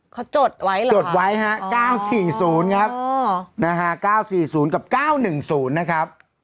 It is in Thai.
เขาจดไว้เหรอฮะจดไว้ฮะเก้าสี่ศูนย์ครับอ่านะฮะเก้าสี่ศูนย์กับเก้าหนึ่งศูนย์นะครับ